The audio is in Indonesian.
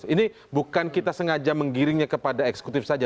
ini bukan kita sengaja menggiringnya kepada eksekutif saja